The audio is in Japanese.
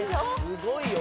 すごいよ